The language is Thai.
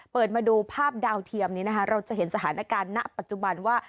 เปิดมาดูภาพดาวเทียมนี้นะคะเราจะเห็นสถานการณ์ณปัจจุบันว่า